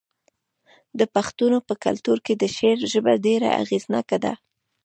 د پښتنو په کلتور کې د شعر ژبه ډیره اغیزناکه ده.